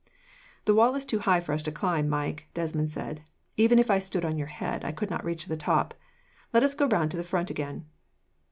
"The wall is too high for us to climb, Mike," Desmond said. "Even if I stood on your head, I could not reach the top. Let us go round to the front again."